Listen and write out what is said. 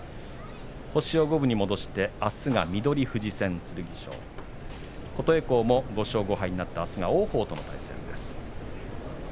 星を五分に戻して剣翔は、あす翠富士戦琴恵光も５勝５敗になってあすは王鵬との一戦です。